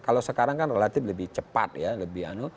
kalau sekarang kan relatif lebih cepat ya